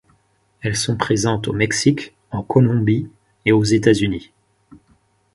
Elles sont présentes au Mexique, en Colombie et aux États-Unis.